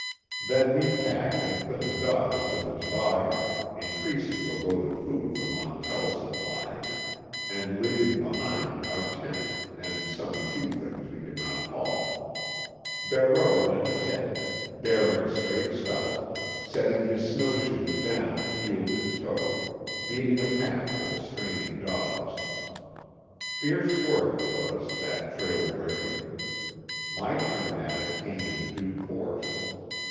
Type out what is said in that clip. Then we packed and put the dogs to the toboggan, increasing the load of food from Montell's supply and leaving behind our tent and some few things we could not haul. Barreau went ahead, bearing straight south, setting his snowshoes down heel to toe, beating a path for the straining dogs. Fierce work it was, that trail breaking. My turn at it came in due course.